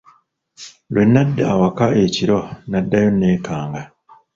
Lwe nadda awaka ekiro naddayo nneekanga.